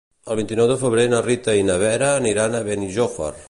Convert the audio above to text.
El vint-i-nou de febrer na Rita i na Vera aniran a Benijòfar.